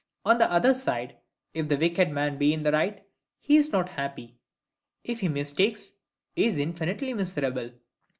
On the other side, if the wicked man be in the right, he is not happy; if he mistakes, he is infinitely miserable.